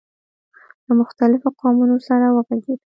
له مختلفو قومونو سره وغږېد.